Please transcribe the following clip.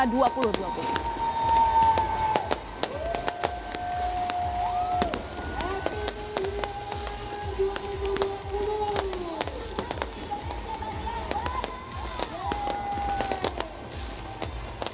rukakan dulu oh